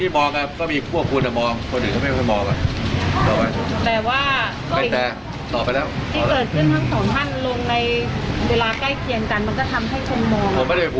มันก็ทำให้คนมองผมไม่ได้ผูกขาเข้าไว้นี่น่ะ